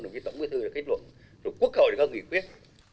đồng chí tổng bộ thư kết luận rồi quốc hội có nghị quyết